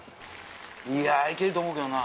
いや行けると思うけどな。